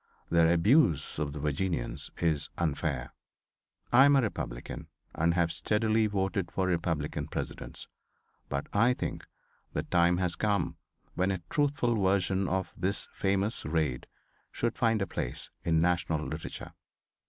Their || abuse of the Virginians is unfair. I am a Republican, and have || steadily voted for Republican Presidents. But I think the time || has come when a truthful version of this famous raid should || find a place in national literature.